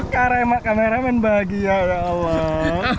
karema kameramen bahagia ya allah